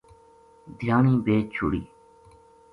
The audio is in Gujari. دھیانی بیچ چھُڑی